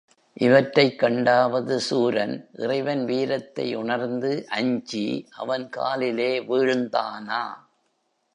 இவற்றைக் கண்டாவது சூரன், இறைவன் வீரத்தை உணர்ந்து அஞ்சி அவன் காலிலே வீழ்ந்தானா?